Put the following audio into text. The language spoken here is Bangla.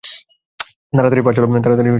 তাড়াতাড়ি পা চালা ভাই!